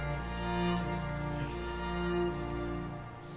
うん。